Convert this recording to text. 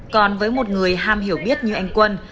còn với một người ham hiểu biết như anh quân